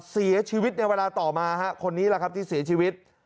เสียชีวิตในเวลาต่อมาคนนี้แหละครับที่เสียชีวิต